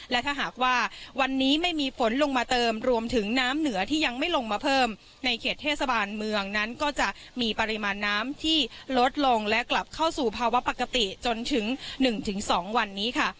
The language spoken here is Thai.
และถ้าหากว่าวันนี้ไม่มีฝนลงมาเติมรวมถึงน้ำเหนือที่ยังไม่ลงมาเพิ่มในเขตเทศบาลเมืองนั้นก็จะมีปริมาณน้ำที่ลดลงและกลับเข้าสู่ภาวะปกติจนถึง๑๒วันนี้ค่ะ